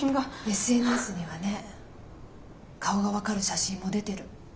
ＳＮＳではね顔が分かる写真も出てる。